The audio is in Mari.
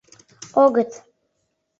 — Огыт...